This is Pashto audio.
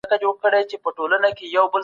نوي کلتوري بدلونونه به رامنځته سي.